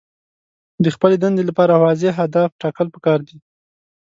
د خپلې دندې لپاره واضح اهداف ټاکل پکار دي.